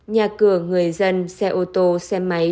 nhà cửa người dân xe ô tô xe máy